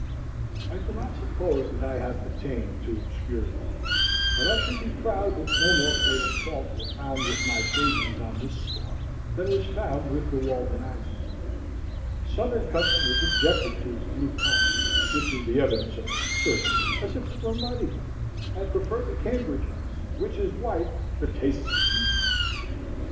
I do not suppose that I have attained to obscurity, but I should be proud if no more fatal fault were found with my pages on this score than was found with the Walden ice. Southern customers objected to its blue color, which is the evidence of its purity, as if it were muddy, and preferred the Cambridge ice, which is white, but tastes of weeds.